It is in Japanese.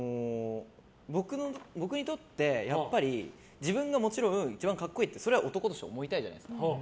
僕にとってやっぱり、自分がもちろん一番格好いいってそれは男として思いたいじゃないですか。